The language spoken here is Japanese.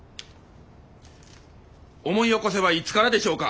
「思い起こせばいつからでしょうか」。